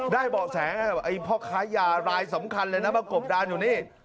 เบาะแสกับพ่อค้ายารายสำคัญเลยนะมากบดานอยู่นี่